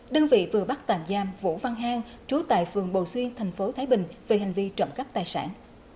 đơn vị vừa bắt tạm giam vũ văn hang trú tại phường bầu xuyên thành phố thái bình về hành vi trộm cắp tài sản